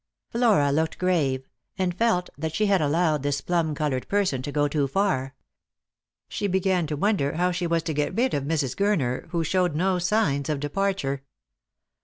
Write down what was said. Flora looked grave, and felt that she had allowed this plum coloured person to go too far. She began to wonder how she was to get rid of Mrs. Gurner, who showed no signs of departure.